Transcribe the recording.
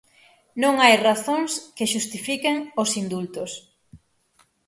Non hai razóns que xustifiquen os indultos.